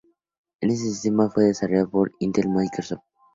Este sistema fue desarrollado por Intel y Microsoft.